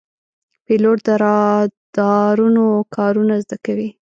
پیلوټ د رادارونو کارونه زده کوي.